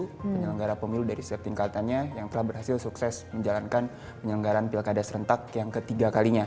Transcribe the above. kpu dan juga bawaslu penyelenggara pemilu dari setingkatannya yang telah berhasil sukses menjalankan penyelenggaraan pilkada serentak yang ketiga kalinya